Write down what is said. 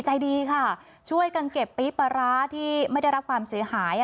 ใจดีค่ะช่วยกันเก็บปี๊บปลาร้าที่ไม่ได้รับความเสียหาย